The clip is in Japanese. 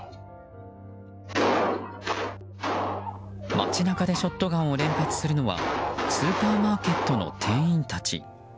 街中でショットガンを連発するのはスーパーマーケットの店員たち。